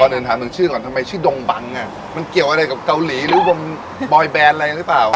เดินถามถึงชื่อก่อนทำไมชื่อดงบังอ่ะมันเกี่ยวอะไรกับเกาหลีหรือบอยแบนอะไรหรือเปล่า